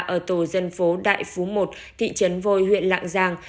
ở tổ dân phố đại phú một thị trấn vôi huyện lạng giang